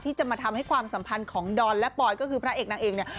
จะมาทำให้ความสัมพันธ์ของดอนและปอยก็คือพระเอกนางเอกเนี่ย